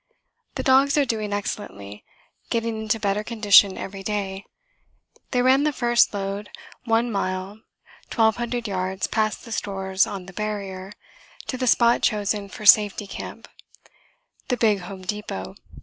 The dogs are doing excellently getting into better condition every day. They ran the first load 1 mile 1200 yards past the stores on the Barrier, to the spot chosen for 'Safety Camp,' the big home depot.